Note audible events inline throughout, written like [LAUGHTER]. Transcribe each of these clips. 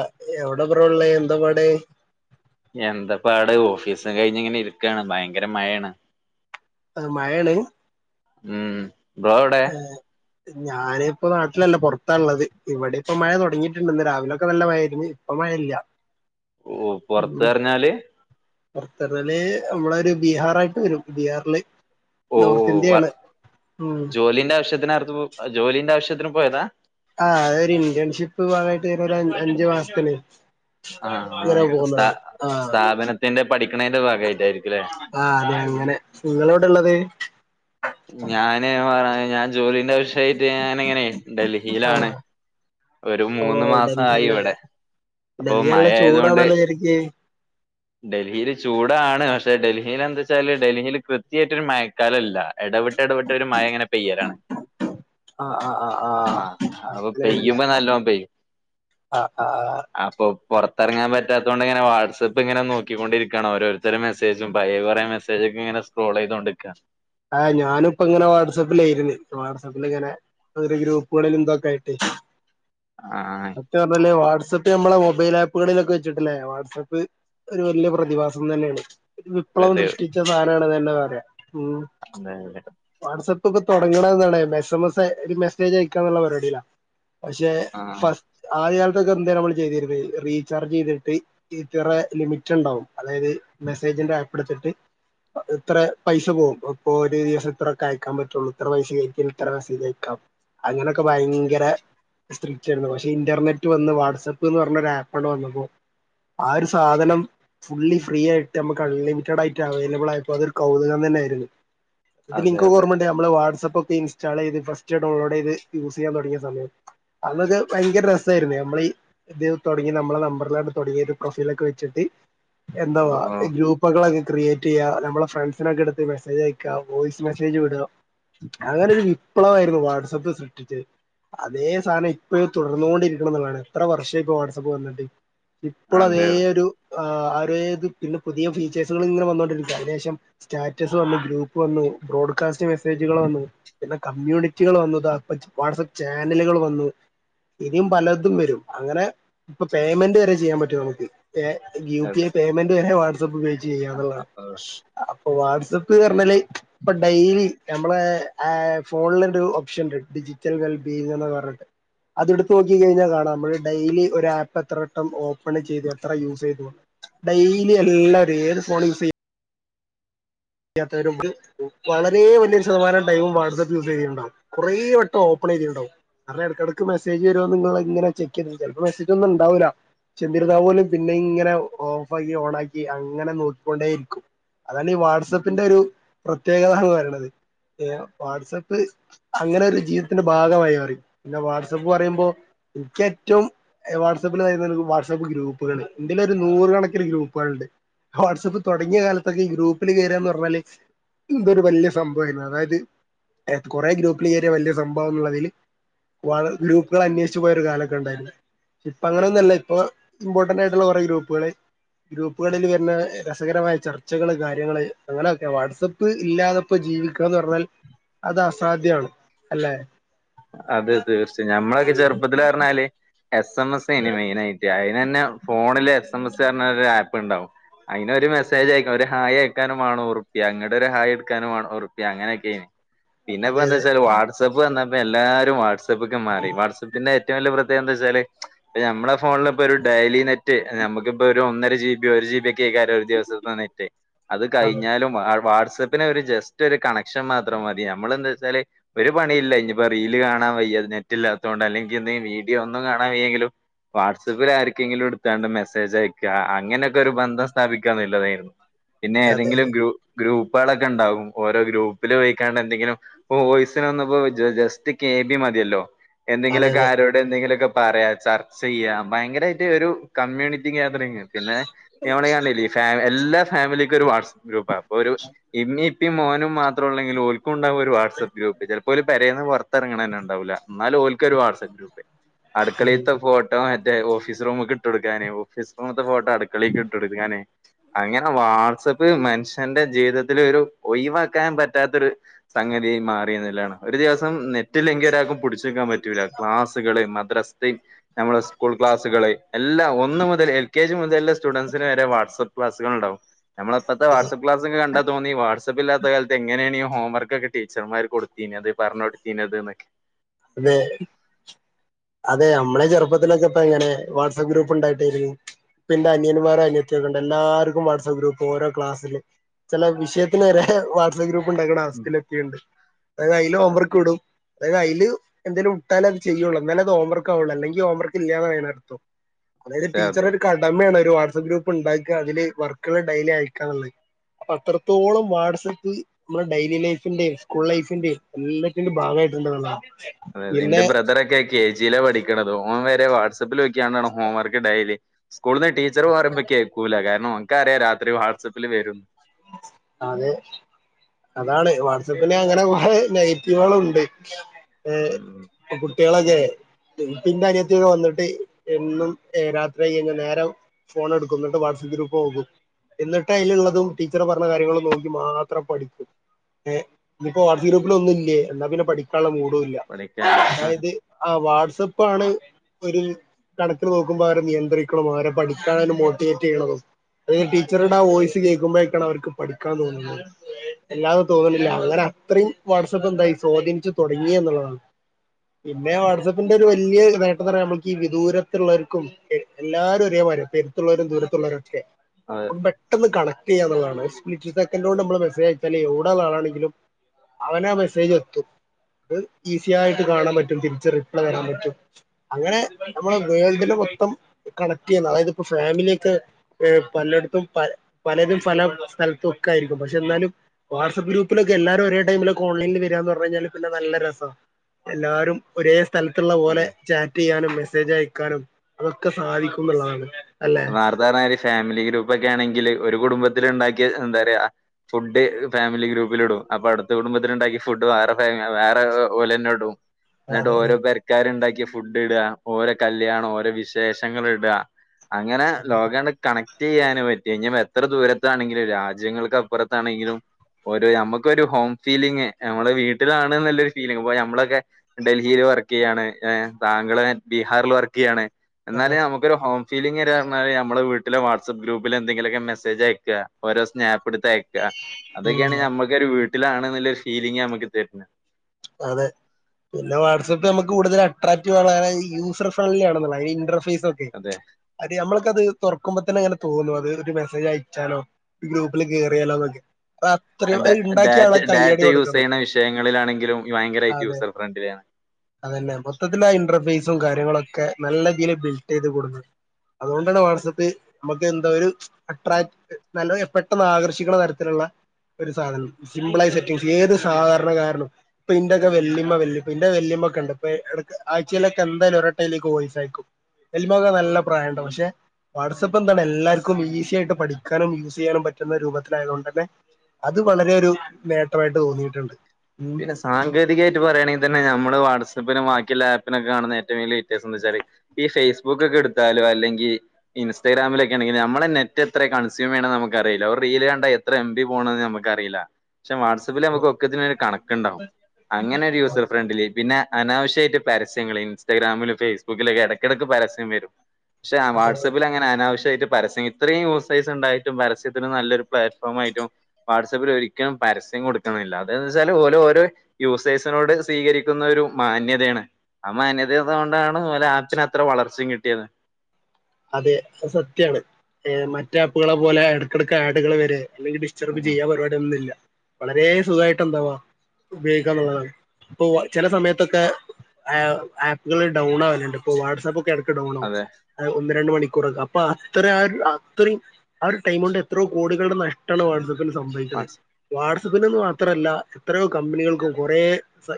ആഹ് എവിട ബ്രോ ള്ളേ എന്താ പാടെ എന്താ പാട് ഓഫീസും കഴിഞ്ഞ് ഇങ്ങനെ ഇരിക്കാണ് ഭയങ്കര മഴേണ് അതഹ് മഴേണ് ഉം ബ്രോ എവിടെ ഏഹ് ഞാനിപ്പ നാട്ടിലല്ല പൊറത്താള്ളത് ഇവിടെ ഇപ്പ മഴ തുടങ്ങിട്ടുണ്ട് ഇന്ന് രാവിലൊക്കെ നല്ല മഴേരിന്നു ഇപ്പൊ മഴയില്ല ഓഹ് പൊറത്ത് അറഞ്ഞാല് പൊറത്ത് പറഞ്ഞാല് നമ്മളൊരു ബീഹാറായിട്ട് വരും ബീഹാറില് നോർത്ത് ഓഹ് ഇന്ത്യയാണ് വർക് ഉം. ജോലിന്റെ ആവശ്യത്തിനറുത്ത് ജോലിന്റെ ആവശ്യത്തിന് പോയതാ ആഹ് അതെ ഒരു ഇന്റേൺഷിപ്പ് ഭാഗായിട്ട് ഇറോറഞ്ച് അഞ്ചു മാസത്തിന് ആ അങ്ങനെ ആ, സ്ഥാ പോന്നാണ് ആഹ് സ്ഥാപനത്തിന്റെ പഠിക്കണേന്റെ ഭാഗമായിട്ടായിരിക്കുംല്ലേ ആഹ് അതെ അങ്ങനെ നിങ്ങള് എവിടെള്ളത് ഞാന് ഓഹ് അറഞ്ഞ ഞാൻ ജോലിന്റെ അവശ്യായിട്ട് ഞാനിങ്ങനെ ആ ഡൽഹിലാണ് ഒരു ഓ മൂന്ന് മാസായി ഡൽഹിയിലെ ഇവിടെ അപ്പൊ ഡൽഹി നല്ല മഴ ആയത്കൊണ്ട് ചൂടാണല്ലോ ശരിക്ക് [INAUDIBLE] ഡൽഹില് ചൂടാണ് പക്ഷെ ഡൽഹില് ന്താച്ചാല് ഡൽഹിൽ കൃത്യായിട്ടൊരു മയക്കാലല്ല. എടവിട്ട് എടവിട്ട് ഒരു മയങ്ങനെ പെയ്യലാണ്. ആ ആ ആ ആ ആഹ്, പ്പൊ അങ്ങനെയാണല്ലേ പെയ്യുമ്പോ നല്ലോം പെയ്യും. ആ ആ ആ. അപ്പൊ പുറത്തിറങ്ങാൻ പറ്റാതോണ്ട് ങ്ങനെ വാട്സാപ്പ് ങ്ങനെ നോക്കിക്കൊണ്ടിരിക്കാണ്. ഓരോരുത്തരെ മെസ്സേജും പയേ കൊറേ മെസേ ക്കെങ്ങെനെ സ്ക്രോളയ്തോണ്ടിക്ക ആഹ്, ഞാനുംപ്പോ ങ്ങനെ വാട്സാപ്പി ലേയ്രുന്നു. വാട്സപ്പില് ഇങ്ങനെ. ഒരു ഗ്രൂപ്പുകളിലും ന്തൊക്കെ ആയിട്ട്. ആഹ് ത്യം പറഞ്ഞാല് വാട്സ്അപ്പ് നമ്മളെ മൊബൈലാആപ്പുകളിലൊക്കെ വച്ചിട്ടില്ലേ വാട്സ്ആപ്പ്. ഒരു വല്യ പ്രതിഭാസം തന്നെയാണ്. വിപ്ലവം അതെ സൃഷ്ടിച്ച സാനാണെന്ന് തന്നെ പറയാം, ഉം തെ വാട്സപ്പ് പ്പൊ തുടങ്ങണാന്നാണ് മെ സെ മസ് ഒര് മെസേജ് അയക്കന്നുള്ള പരിപടിലാ പക്ഷെ ആഹ് ഫസ്റ്റ് ആദ്യകാലത്തൊക്കെ എന്ത നമ്മള് ചെയ്തിന്നത് റീചാർജ് ചെയ്തിട്ട ഈ ത്രെ ലിമിറ്റ് ഉണ്ടാവും അതായത് മെസ്സേജിന്റെ അയ്പ എടുത്തിട്ട് അത് ത്രെ പൈസ പോകും? പ്പോ ഒര് ദിവസം ഇത്രയൊക്കെ അയക്കാൻ പറ്റുള്ളൂ. ഇത്ര പൈസ കയറ്റിയാൽ ഇത്രമെസ്സേജ് യക്കാം. അങ്ങനൊക്കെ ഭയങ്കര സ്ട്രിക്റ്റ് ർന്നു. പക്ഷെ ഇന്റർനെറ്റ് വന്ന് വാട്സ്ആപ്പ് ന്ന് പറഞ്ഞൊ ഒരു ആപ്പണ്‌ വന്നപ്പോ ആ ഒരു സാധനം. ഫുള്ളി ഫ്രീ ആയിട്ട് നമ്മക്ക് അൺലിമിറ്റഡ് ആയിട്ട് അവൈലബിൾ ആയപ്പോ അതൊരു കൗതുകം തന്നെയി രുന്നു ത്യത്തിൽ അതെ ഇന്ക് ഒക്കെ അതെ ഓർമ്മണ്ട് നമ്മൾ വാട്സാപ്പൊക്കെ ഇൻസ്റ്റാൾ ചയ്ത് ഫസ്റ്റ് ഡൗൺലോഡ് ചെയ്ത് യൂസയ്യാൻ തൊടങ്ങിയ സമയം. അന്നൊക്കെ ഭയങ്കര രസായിരുന്നു നമ്മളീ, ഇതിങ്ങതുടങ്ങി നമ്മളെ നമ്പറിലംങ്ങട് തുടങ്ങി പ്രൊഫൈലൊക്കെ വെച്ചിട്ട്. എന്താ വാ ഓഹ് ഗ്രൂപ്പുകളൊക്കെ ക്രിയേറ്റെയ്യ നമ്മളെ ഫ്രണ്ട്സിനൊക്കെ എടുത്ത് മെസ്സേജ് അയ യക്കാ, വോയിസ് മെസ്സേജ് വിട, അങ്ങനെരു വിപ്ലവായിരുന്നു വാട്സഅപ്പ് സൃഷ്ടിച്ചത്. അതേ സാനം ഇപ്പഴും തുടർന്നോ ണ്ടിരിക്കുണു എന്നുള്ളതാണ് എത്ര വർഷായി പ്പൊ വാട്സആപ്പ് വന്നിട്ട്. ഇപ്പളും അതേ അതെ ഒരു ആ അരെ ദിക്കിന്നും പിന്നെ പുതിയ ഫീച്ചേഴ്സുകൾ ഇങ്ങനെ വന്നോണ്ടിരിക്ക അതിനുശേഷം സ്റ്റാറ്റസ് വന്ന് ഗ്രൂ പ്പ് വന്നു, ബ്രോഡ്കാസ്റ്റ് മെസ്സേജുകൾ വന്നു. പിന്നെ കമ്മ്യൂണിറ്റികൾ വന്നു, ദാ പ്പോ വാട്സആപ്പ് ചാനലുകൾ വന്നു. ഇനിയും പലതും വരും. അങ്ങനെ പ്പൊ പേയ്മെന്റ് വരെ ചെയ്യാൻ പറ്റും നമുക്ക്. പേ, യു പി അതെ എ പേയ്മെന്റ് വരെ വാട്സാ പ്പ് പയോഗിച്ച് ചെയ്യാന്നുള്ളതാണ്. അപ്പൊ വാട്സആപ്പ് പറഞ്ഞാല് പ്പൊ ഡൈലി ഞമ്മളെ ഏഹ് ഫോണിലൊരു ഓപ്ഷൻണ്ട് ഡിജിറ്റൽൽഹെല്പിന്പറഞ്ഞിട്ട് അത്ടുത്ത് നോക്കി കഴിഞ്ഞാ കാണാം നമ്മള് ഡെയിലി ഒരു ആപ്പ് എത്രട്ടം ഓപ്പൺ ചെയ്തു എത്ര യൂസ് ചെയ്തു. ഡെയ്‌ലി എല്ലാരും ഏത് ഫോൺ യൂസെ യാത്തവരും വളരെ വലിയൊരു ശതമാനം ടൈമും വാട്സാആപ്പ് യൂസ് ചെയ്ണ്ടാവും കുറെേ വട്ടം ഓപ്പൺ ചെയ്തിട്ടുണ്ടാവും. കാരണം ഇടക്കിടക്ക് മെസേജ് വരുന്ന് നിങ്ങ ഇങ്ങനെ ചെക്ക് ചെയ് ചിലപ്പോ മെസേജൊന്നും ണ്ടാവൂല്ല ചെന്നിരുന്നാ പോലും പിന്നെ ഇങ്ങനെ ഓഫ് ആക്കി ഓൺ ആക്കി അങ്ങനെ നോക്കിക്കൊണ്ടേയിരിക്കും. അതാണ് ഈ വാട്സആപ്പിന്റെ ഒരു പ്രത്യേകതന്ന് പറയണത് ഏഹ് വാട്സആപ്പ്. അങ്ങനെ ഒരു ജീവിതത്തിന്റെ ഭാഗമായി മാറി. പിന്നെ വാട്സപ്പ് പറയുമ്പോ നിക്കേ റ്റോം വാട്സപ്പിൽ അറിയുന്നോര്ക്ക് വാട്സആപ്പ് ഗ്രൂപ്പുകള് ഇന്റലൊരു നൂറുകണക്കില് ഗ്രൂപ്പുകളുണ്ട്. വാട്സ്ആപ്പ് തുങ്ങിയ കാലത്തൊക്കെ ഗ്രൂപ്പിൽ കയറാന്ന് പറഞ്ഞാല് എന്തോ ഒരു വലിയ സംഭവാ യിരുന്നു അതായത് ഏഹ് കുറെേ ഗ്രൂപ്പിൽ കയറിയ വലിയ സംഭവാന്നുള്ളതിൽ വളരെ ഗ്രൂപ്പുകൾ അന്വഷിച്ച് പോയ ഒരു കാലൊക്കെ ണ്ടായിരുന്നു. ഇപ്പ അങ്ങനൊന്നല്ല ഇപ്പൊ ഇമ്പോർട്ടന്റ് ആയിട്ടുള്ള കുറേ ഗ്രൂപ്പുകള്. ഗ്രൂപ്പുകളിൽ വരുന്ന രസകരമായ ചർച്ചകള് കാര്യങ്ങള്. അങ്ങനെയൊക്കെ വാട്സആപ്പ് ഇല്ലാതപ്പോ ജീവിക്കുകന്ന് പറഞ്ഞാൽ അത് അസാധ്യമാണ് അല്ലെ അതെ തീർച്ചയായും ഞമ്മളൊക്കെ ചെറുപ്പത്തില് പറഞ്ഞാല് എസ് എം എസ് എനി മെയിൻ ആയിട്ട അതിന് തന്നെ ഫോണില് എസ് എം എസ് പറഞ്ഞ ഒരു ആപ്പ് ഉണ്ടാവും അതിനന് ഒരു മെസേജ് അയക്കാനും ഒരു ഹായ അയക്കാനും വേണം ഒരു ഉറപ്പിയ അങ്ങടെ ഒരു ഹായ എടുക്കാനും ഉറപ്പിയ അങ്ങനൊക്കെ എനി പിന്നെപ്പ അതെ എന്താ അതെ വെച്ചാല് വാട്സആപ്പ് വന്നപ്പ എല്ലാരും വാപ്പ് വപ്പ്ക്കെ മാറി വാട്സപ്പന്റെ ഏറ്റവും വലിയ പ്രത്യകം എന്താ വച്ചാല് ഇപ്പ നമ്മളെ ഫോണിലിപ്പൊ ഡെയിലി നെറ്റ് നമുക്കിപ്പോ ഒരു ഒന്നര ജി ബി ഒരു ജി ബി ഒക്കെക്ക ദിവസത്തെ നെറ്റ് അത് അതെ കഴിഞ്ഞാലും വാട്സ്ആപ്പ് ഒരു ജസ്റ്റ് ഒരു കണക്ഷൻ മാത്രം മതി നമ്മള എന്താ വെച്ചാല് ഒരു പണിയില്ല ഇപ്പ റീൽ കാണാൻ വയ്യ നെറ്റിലോത്തോണ്ട് അല്ലെങ്കിൽ എന്തെ വീഡിയോ ഒന്നും കാണൻ വയ്യെങ്കിലും വാട്സ്ആപ്പിൽ ആർക്കെങ്കിലും എട്ത്താണ്ട് മെസ്സേജ് അയക്കുക അങ്ങനെയൊക്കെ ഒരു ബന്ധം സ്ഥാപിക്കാന്നില്ലതായിരുന്നു പിന്നെ അതെ ഏതെങ്കിലും അതെ ഗ്രൂ ഗ്രൂപ്പുകളൊക്കെ ഉണ്ടാവും ഓരോ ഗ്രൂപ്പിൽ വഴിക്കാണ്ട് എന്തെങ്കിലും വോയിസിനന്നപ്പോ ജസ്റ്റ് കെബി മതിയല്ലോ അതെ എന്തെങ്കിലുമൊക്കെ അതെ ആരോ ടെ എന്തെങ്കിലുംക്കെ പറയാ ചർച്ച ചെയ്യാ ഭയങ്കരമായിട്ട് ഒരു കമ്മ്യൂണിറ്റി [UNINTELLIGIBLE] പിന്നെ ഞമ്മള എല്ലാ ഫാമിലിക്കും ഒരു വാട്സ ഗ്രൂപ്പ ഇപ്പൊ ഒരു ഇമ്മിം ഇ പ്പിം മോനും മാത്രം ഉള്ളെങ്കിലും ഓൽ ക്കും ണ്ടാവും ഒരു വാട്സ്പ്പ് ഗ്രൂപ്പ് ചിലപ്പോ പേരെന്ന് പുറത്തിറങ്ങനെ ഉണ്ടാവില്ല ന്നാലും ഒല്കൊരു വാട്സ്ആപ് ഗ്രൂപ്പ് ഉം അടുകളെത്തെ ഫോട്ടോ മറ്റേ ഓഫീസ് റൂമക്ക് ഇട്ട് കൊടുക്കാന് ഫിസ്റൂമത്തെ ഫോട്ടോ അടുക്കളേക്ക് ഇട്ടൂ ഇങ്ങനെ അങ്ങനെ വാട്സ്ആപ്പ് ഇത് മനുഷ്യന്റെ ജീവിതത്തിലെ ഒരു ഒയിവാക്കാൻ പറ്റാത്തൊരു- സംഗതി മാറിയ നിലാണ് ഒരു ദിവസം നെ റ്റില്ലെങ്കിൽ ഒരാക്കും പുടിച്ച്നിക്കാൻ പറ്റില്ല ക്ലാസുകളും മദ്രസയും- നമ്മള് സ്കൂൾ ക്ലാസ്സുകള് എല്ലാം ഒന്ന് മുതൽ എൽ കെ ജി മുതൽ സ്റ്റുഡന്റ്സസിന് വരെ വാട്സ്ആപ്പ് ക്ലാസ്സുകൾണ്ടാവും നമ്മള ഇപ്പോത്തെ വാട്ആ് ക്ലസ് കണ്ടാ തോന്ന വാട്സപ്പ ഇല്ലാത്ത കാലത്ത് എങ്ങെ എങ്ങന്നെയാണ് ഈ ഹോംവർക്കൊക്കെ ടീച്ചർമാർ കൊടുത്തീ അത് പറഞ്ഞ കൊടുത്തീത്ക്കെ അതെ അതെ മ്മളെ ചെറുപ്പത്തിലൊക്കെ ഇപ്പ എങ്ങനെ വാട്സആപ്പ് ഗ്രൂപ്പ് ഉണ്ടായിട്ടായിരുന്നു ഇപ്പൻ്റെ അനിന്മാര അന്യതി ഇവിട്ണ്ട് എല്ലാവർും വാട്സപ്പ് ഗ്രൂപ്പ് ഒരോ ക്ലാസ്സില്- ചെല വിഷയത്തിന് വരെ വാട്സ്ആപ്പ് ഗ്രൂപ്പ്- ഉം. ടെക്കണ്ട് അതായത് അതിൽ ഹോംവർക്ക് ഇടും അതായത് അതില് എന്തേലുംട്ടാല അത്ചെയ്യുകുള്ളൂ എന്നാല അത് ഹോംവർക്ക് ആവുള്ളൂ അല്ലെങ്കിഹോംവർക്ക് ഇല്ലാന്ന്യനടുത്തോ അതായത് അതെ അതെ ടീച്ചർ ഒരു കടമയാണ് ഒരു വാട്സആപ്പ് ഗ്രൂപ്പ് ഉണ്ടാക്കുക അതില് വർക്കള് ഡെലി അയക്കാള്ളത് അപ്പൊ അത്രത്തോളം വാട്സപ്പ് നമ്മുടെ ഡെയിലി ലൈഫിന്റെയും സ്കൂൾ ലൈഫിന്റെയും എല്ലാത്തിന്റെയും ഭാഗമായിട്ടുണ്ട നുള്ളതാ അതെ എന്റെ ബ്രദറൊക്കെ കെ ജിയില പഠിക്കണത് ഓൻ വരെ വാട്സആപ്പിൽ വെക്കാണ് ഹോംവർക്ക് ഡലി സ്കൂളിൽന്ന് ടീച്ചർ പറയുമ്പോ കേക്കൂല കാരണം എമുക്ക അറിയാം രാത്രി വാട്സപ്പിൽ വരുന്നു ആതെ അതാണ് വാട്സപ്പിന് അങ്ങനെ കുറെ നെഗറ്റീവുകളുണ്ട് ഏ- ഉം പെൺകുട്ടികളൊക്കെ പിന്നെ അനിയത്തിടെ വന്നിട്ട് എന്നും രാത്രി കഴിഞ്ഞ നേരം- ഫോൺ എടുക്കും എന്നിട്ട് വാട്സആപ്പ് ഗ്രൂപ്പ് നോക്കും എന്നിട്ട് അതിലുള്ളതും ടീച്ചറ് പറഞ്ഞ കാര്യങ്ങൾ നോക്കി മാത്രം പഠിക്കൂ ഏഹ് ഇന്നിപ്പോ വാട്സ്ആ ഗ്രൂപ്പില ഒന്നും ഇല്ലേ എന്നാ പിന്നെ പഠിക്കാനുള്ള മൂടൂല്ല പഠിക്കാല്ല അതായത് ആഹ് വാട്സപ്പ് ആണ് ഒരു കണക്കന് നോക്കുമ്പോ അവരെ നിയന്ത്രിക്കണ അവരെ പഠിക്കാന് മോട്ടിവേറ്റ് ചെയ്യണതും അതെ ടീച്ചറുടെ ആ വോയിസ് കേൾക്കുമ്പോഴേക്കാണ് അവർക്ക് പഠിക്കാൻ തോന്നുന്നത് അല്ലാതെ തോന്നുന്നില്ല അങ്ങനെ അത്രയും വാട്സ്ആപ് എന്തായി സ്വാധീനിച്ചു തുടങ്ങിയെന്നുള്ളതാണ്- പിന്നെ വാട്സആപ്പിന്റെ ഒരു വലിയ നേട്ടംന്ന് പറയാ നമ്മക്ക് ഈ വിദൂരത്തുള്ളവർക്കും എല്ലാരും ഒരേമായിര്യാ ഇ പൊ എരുത്തുള്ളരും ദൂരത്തുള്ളവരും ഒക്കെ അതേ നമുക്ക് പെട്ടെന്ന് കണക്ട് ചെയ്യാുള്ളതാണ് സെക്കൻഡ കൊണ്ട് നമ്മൾ മെസ്സേജ് അയച്ചാലേയ് എവിടെ ള്ള ആളാണെങ്കിലും അവനാ മെസ്സേജ് എത്തും അത് ഈസി ആയിട്ട് കാണാൻ പറ്റും തിരിച്ച് റിപ്ലൈ തരാൻ പറ്റും അങ്ങനെ നമ്മള് വേൾഡില് മൊത്തം കണക്ട് ചെയ്യുന്നു അതായത് ഇപ്പോൊ ഫാമിലിയൊക്കെ ഏ പലയിടത്തും പ പലരും പല സ്ഥലത്തൊക്കെ ആയിരിക്കും പക്ഷെ എന്നാലും വാട്സ്ആപ്പ് ഗ്രൂപ്പിലൊക്കെ എല്ലാരും ഒരേ ടൈമിലക്കെ ഓൺലൈനിൽ വരാ ന്ന് പറഞ്ഞ്കഴിഞ്ഞാല് പിന്നെ നല്ല രസമാണ് എല്ലാരും ഒരേ സ്ഥലത്തുള്ള പോലെ അതെ ചാറ്റ് ചെയ്യാനും മെസ്സേജ് അയക്കാനും അതൊക്കെ സാധിക്കും എന്നുള്ളതാണ് അല്ലെ നാർത്തെ പറഞ്ഞ ഫാമിലി ഗ്രൂപ്പ് ഒക്കെ ആണെങ്കില് ഒരു കുടുംബത്തില ഉണ്ടാക്കിയ എന്താ പറയാ ഫുഡ് ഫാമിലി ഗ്രൂപ്പിലിടും അപ്പൊ അടുത്ത കുടുംബത്തിലുണ്ടാക്കി ഫുഡ് വേറെ ഫാമ വേറെ പോലെ തന്നെ ഇടും ന്നിട്ട് അതെ ഓരോ അതെ പെരക്കാര് ഉണ്ടാക്കിയ ഫുഡ് ഇടുക ഓരോ കല്യാണം ഓരോ വിശേഷങ്ങള് ഇടുക അങ്ങനെ ലോകണ്ട് കണക്ട് ട് ചെയ്യാനും പറ്റി ഞ്ഞ് പ്പോ എത്ര ദൂരത്താണെങ്കിലും രാജ്യങ്ങൾക്ക് അപ്പുറത്താണെങ്കിലും ഒരു നമ്മുക്കൊരു ഹോം ഫീലിങ് നമ്മുടെ വീട്ടിലാണ് എന്നല്ലൊരു ഫീലിംഗ അപ്പൊ നമ്മളൊക്കെ ഡൽഹിയിൽ വർക്ക് ചെയ്യാണ് ഏ താങ്കള് ബീഹാറിൽ വർക്ക് ചെയ്യാണ് എന്നാല അതെ നമുക്കൊരു ഹോം ഫീലിങ് പറഞ്ഞല് നമ്മള വീട്ടിലൊ വാട്സ്ആപ്പ് ഗ്രൂപ്പിൽ എന്തെിലൊക്കെ മെസേജ് അയക ഓരോ സ്നാപെടുത്തയ ക്കാ ഉം അതൊക്കെയാണ് നമ്മുക്കൊ ഒരു വീട്ടിലാാണന്നുള്ളരു ഫീലിംഗ ഞമുക്ക് തരുന്നത് അതെ പിന്നെവാട്സാപ്പ് നമുക്ക് കൂടുതൽ അട്രാക്ടീവ് ആകാനുള്ള കാരണം യൂസർ ഫ്രണ്ട്ലി ആണല്ല അതിന് ഇന്റർഫേസ്- അതെ അതേ ഞമ്മൾക്കത് തുറക്കുമ്പോ തന്നെ അങ്ങനെ തോന്നുന്നു അത് ഒരു മെസ്സേജ് അയച്ചാലോ ഗ്രൂപ്പില് കയറിയാലോന്നൊക്കെ അ ഡാ അത്രയുംത് ഉണ്ടാക്കിയ ഡാറ്റ ആളെ ഡാറ്റ കയ്യടി യൂസ് കൊടുക്കണം. ചെയ്യണ വിഷയങ്ങളിലാണെങ്കിലും ഭയങ്കരമായിട്ട് അതെ യൂസഡ് ഫ്രണ്ടിലാണ് അതന്നെ മൊത്തത്തിൽ ആ ഇന്റർഫേസും കാര്യങ്ങളുംഒക്കെ നല്ല രീതിയിൽ ബിൽട്ട് ചെയ്ത് കൊടുന്നു അതുകൊണ്ടാണ് വാട്സആപ്പ് നമുക്ക് എന്താ ഒരു അട്രാക് നല്ല പെട്ടെന്ന് ആകർഷിക്കണ തരത്തിലുള്ള. ഒരു സാധനം സിമ്പിളായി സെറ്റിംഗസ് ഏത് സാധാരണ കാരനും ഇപ്പ ഇന്റെയക്കെ വല്യമ്മ വല് ഇന്റെ വല്യമ്മൊ ഒക്കെണ്ട്പ്പ ഇട ആഴ്ചയിലൊെ എന്തായാലും ഒരുവട്ടെ എങ്കിലും എനിക്ക് വോയിസ് അയി ക്കും വെല്ലിമ്മക്കൊക്കെ നല്ല പ്രായംണ്ട് പക്ഷെ വാട്സ്ആപ്പ് എന്താണ് എല്ലർക്കും ഈസിയായിട്ട് പഠിക്കാനും യൂസ് ചെയ്യാനും പറ്റുന്ന രൂപത്തിലായത് കൊണ്ട് തന്നെ അത് വളരെ ഒരു നേട്ടമായിട്ട് തോന്നിയിട്ടുണ്ട് ഉ പിന്നെ സാങ്കേകമായിട്ട് പറുകയാണെങ്ക തന്നെ നമ്മുടെ വാട്സപ്പിനും ബാക്കിയുള്ള ആപ്പിനൊക്ക കാണുന്ന ഏറ്റവും വലിയ വെത്യാസം എന്താ വച്ചാല് ഈ ഫേസ്ബുക്ക ഒക്കെ എടുത്താലും അല്ലെങ്കി ഇൻസ്റ്റാ്രാമിലൊക്കെണെങ്ക നമ്മളെ നെറ്റ് എത്ര കസ്യൂം ചെയ്യണെന്ന് നമുക്ക അറിയില്ല ഒരു റീൽ കണ്ട ത്ര എംബി പോണന്ന് നമുക്കറിയില്ല പക്ഷെ വാട്സ്ആപ്പിൽ നമുക്ക് ഒക്കെ കണക്ക്ണ്ടാവും അങ്ങനെ യൂസർ ഫ്രണ്ട്‌ലി പിന്നെ അനാവശ്യമായിട്ട് പരസ്യങ്ങള് ഇൻറ്റാഗ്രാമില് ഫേസ്ബുക്കിലക്കെ ഇടക്കിടക്ക് പരസ്യം വരും. പക്ഷെ അതെ അതെ വാട്സആപ്പിൽ അങ്ങന അനാവശ്യമായിട്ട് പരസ്യം ഇത്രയും യൂസേഴ്സ് ഉണ്ടായിട്ടും പരസ്യത്തിന് നല്ലരു പ്ലാറ്റ്ഫോം ആയിട്ടും. വാട്സ്ആപ്പിൽ ഒരിക്കലും പരസ്യം കൊടുക്കണില്ല. അതേതാ വെച്ചാൽ ഓരോ ഓരോ യൂസേഴ്സിനോട് സ്വീകരിക്കുന്ന ഒരു മാന്യതയാണ്. ആ മാന്യത ആയത് കൊണ്ടാണ് ആപ്പിന് അത്ര വളർച്ചയും കിട്ടിയത്. അതെ അ സത്യാണ് മറ്റ ആപ്പുകളെ പോലെ ഇടക്കിടക്ക് ആടുകൾ വരെ അല്ലെങ്കിൽ ചെറുപ്പ് ഉം, ചെയ്യാൻ പരിപാടിയൊന്നുംഇല്ല വളരെ സുഖമായിട്ട് എന്താവാ ഉപയോഗിക്കാുള്ളതാണ്. ഇപ്പൊ ചില സമയത്തൊക്കെ ആപ്പുകൾ ഡൗൺ ആവലുണ്ട് ഇപ്പോൊ വാട്സആപ്പ് ഒക്കെ എടക്ക ഡൗൺ ആകും അതെ ഒന്ന് രണ്ട് മണിക്കൂറക്കെ അപ്പൊ അത്ര ആ അത്രയും ആ ഒരു ടൈം കൊണ്ട് എത്രോ കോടികളുടെ നഷ്ടാണ് വാട്സആപ്പിൽ സംഭവിച്ചത് വാട്സ് വാട്സആപ്പിൽ നിന്ന് മാത്രമല്ല എത്രയോ കമ്പനികൾക്കും കുറേ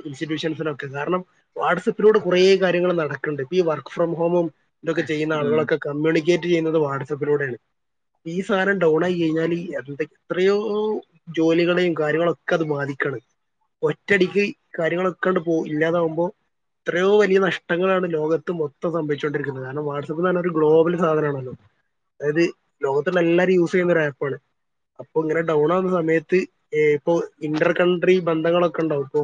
ഇൻസ്റ്റിറ്റ്യൂഷൻസിനൊക്കെ കാരണം. വാട്സആപ്പിലൂടെ കുറേ കാര്യങ്ങൾ നടക്കണ്ട് ഇപ്പ ഈ വർക്ക് ഫ്രം ഹോമും ഇതൊക്കെ ചെയ്യുന്ന ഉം ആളുകളൊക്കെ കമ്മ്യൂണിക്കേറ്റ് ചെയ്യുന്നത് വാട്സആപ്പിലൂടെയാണ്. ഈ സാധനം ഡൗൺ ആയി കഴിഞ്ഞാൽ എന്ത എത്രയോ ജോലികളെയും കാര്യങ്ങളൊക്കെ അത് ബാധിക്കാണ് ഒറ്റടിക്ക് കാര്യങ്ങളൊക്കണ്ട് പോ ഇല്ലാതാാവുമ്പോ എത്രയോ വലിയ നഷ്ടങ്ങളാണ് ലോകത്ത് മൊത്തം സംഭവിച്ചുകൊണ്ടിരിക്കുന്നത് കാരണം. ഒരു ഗ്ലോബൽ സാധനമാണല്ലോ അതായത് ലോകത്തിലുള്ള എല്ലരും യൂസ് ചെയ്യുന്ന ഒരു ആപ്പ്ണ് അപ്പൊ ഇങ്ങനെ ഡൗൺ ആവുന്ന സമയത്ത് ഇപ്പൊ ഇന്റർ കൺട്രി ബന്ധങ്ങളൊക്കെ ഉണ്ടാവും ഇപ്പോ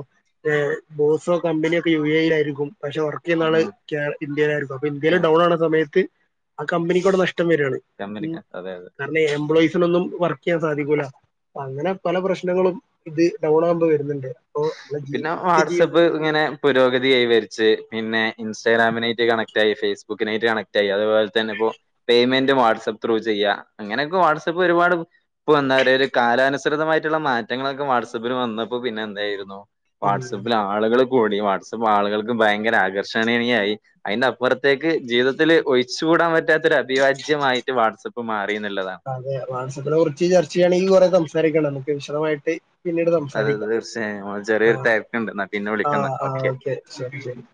ബോസോ കമ്പനിയ ഒക്കെ യു എ ഇ ല ആയിരിക്കും. പക്ഷെ ഉം ഇന്ത്യയിലായിരിക്കും അപ്പൊ ഇന്ത്യൽ ഡൗൺ ആണ സമയത്ത് ആ കമ്പനിക്ക്ടെ നഷ്ടം വരിണ്. കമ്പനിക്ക് അതെ അതെ എംപ്ലോയിസിനൊന്നും വർക്ക് ചെയ്യാൻ സാധിക്കൂല്ല. അ അങ്ങനെ പല പ്രശ്നങ്ങളും ഇത് ഡൗൺ ആകുമ്പോ വരുന്നുണ്ട്. അപ്പൊ നമ്മളെ ജീ പിന്നെ നിത്യ വാട്സആപ്പ് ജീവിതത്തിൽ ഇങ്ങനെ. പുരോഗതി കൈവരിച്ച് പിന്നെ ഇൻസ്റ്റാഗ്രാമിനായിട്ട് കണക്ട് ആായി ഫേസ്ബുക്കിനായിട്ട് കണക് ആായി അതുപോലെ ഇ പേയ്മെന്റ് വാട്സആപ്പ് ത്രൂ ചെയ്യുക അങ്ങനെയൊക്കെ വാട്സ്ആപ്പ് ഒരുപാട് ഇപ്പൊ എന്താ പറയ ഒരു കാലാനുസൃതമായിട്ടുള്ള മാറ്റങ്ങളൊക്കെ വാട്ആപ്പിൽ വന്നപ്പോ പിന്നെ എായിരുന്നു ഉം വാട്സപ്പിൽ ആളുകൾ കൂടി വാട്സആപ്പ് ആളുകൾക്ക് ഭയങ്കര ആകർഷണീയയായി. അതിന്റെ അപ്പുറത്തേക്ക് ജീവിതത്തിൽ ഒഴിച്ചു കൂടാൻ പറ്റാത്തൊ ഒരു അഭിവാാജ്യമായിട്ട് വാട്സആപ്പ് മാറി എന്നുള്ളതാണ്. അതെ വാട്സ്ആപ്പിനെ കുറിച്ച് ചർച്ച ചെയ്യയാണെങ്കിൽ കുറേ സംസാരിക്കണം നമുക്ക് വിശദമായിട്ട്. പിന്നീട് അത് സംസാരിക്കാം തീർച്ചയായും ആ ചെറിയൊരു തിരക്കുണ്ട് എന്നാ പിന്നെ ആ വിളിക്കുന്ന ആ ഓക്കെ ശരി ശരി.